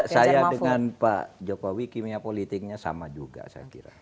saya dengan pak jokowi kimia politiknya sama juga saya kira